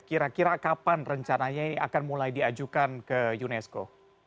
kira kira kapan rencananya ini akan mulai diajukan ke unesco